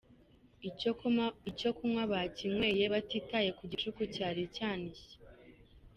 Icyo kunywa bakinyweye batitaye ku gicuku cyari cyanishye.